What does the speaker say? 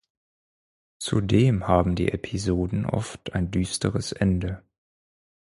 Zudem haben die Episoden oft ein düsteres Ende.